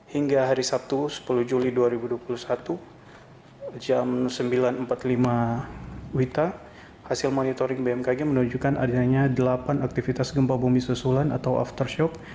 hingga hari sabtu sepuluh juli dua ribu dua puluh satu jam sembilan empat puluh lima wita hasil monitoring bmkg menunjukkan adanya delapan aktivitas gempa bumi susulan atau aftershop